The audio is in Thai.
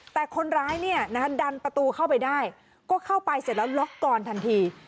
แต่คนร้ายดันประตูเข้าไปได้ก็เข้าไปเสร็จแล้วล็อกกอนทันที